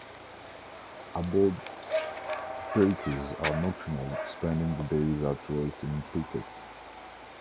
Abbott's duikers are nocturnal, spending the days at rest in thickets.